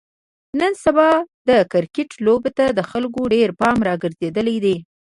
نن سبا د کرکټ لوبې ته د خلکو ډېر پام راگرځېدلی دی.